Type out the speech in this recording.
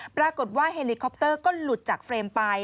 ปรากฏว่าเฮลิคอปเตอร์ก็หลุดจากเฟรมไป